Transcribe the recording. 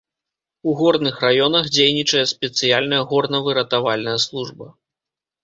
У горных раёнах дзейнічае спецыяльная горнавыратавальная служба.